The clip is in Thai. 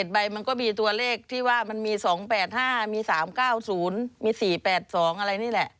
ใบมันก็มีตัวเลขที่ว่ามันมี๒๘๕มี๓๙๐มี๔๘๒อะไรนี่แหละ